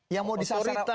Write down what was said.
yang mau disasar